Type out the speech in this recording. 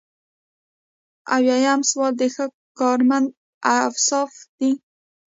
اویایم سوال د ښه کارمند اوصاف دي.